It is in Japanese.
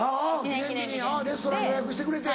記念日にレストラン予約してくれて。